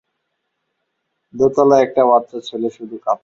দোতলায় একটা বাচ্চা ছেলে শুধু কাঁদছে।